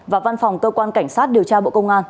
và văn phòng cơ quan cảnh sát điều tra bộ công an